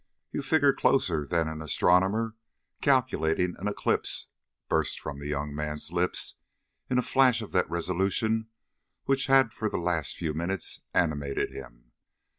"You figure closer than an astronomer calculating an eclipse," burst from the young man's lips in a flash of that resolution which had for the last few minutes animated him.